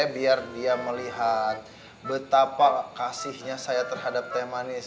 biar dia melihat betapa kasihnya saya terhadap temanis